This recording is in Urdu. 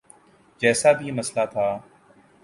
جیسا بھی مسئلہ تھا۔